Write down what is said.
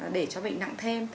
để cho bệnh nặng thêm